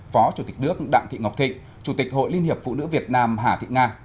phó chủ tịch nước đặng thị ngọc thịnh chủ tịch hội liên hiệp phụ nữ việt nam hà thị nga